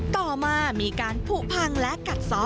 ต่อมามีการผูกพังและกัดซ้อ